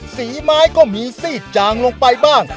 สีไม้ก็มีซีดจางลงไปบ้าง